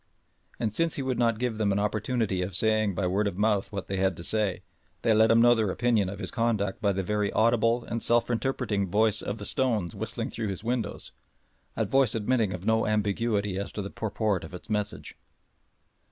And since he would not give them an opportunity of saying by word of mouth what they had to say, they let him know their opinion of his conduct by the very audible and self interpreting voice of the stones whistling through his windows a voice admitting of no ambiguity as to the purport of its message.